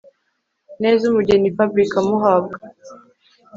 neza umugeni Fabric amuhabwa